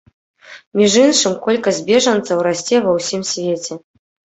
Між іншым, колькасць бежанцаў расце ва ўсім свеце.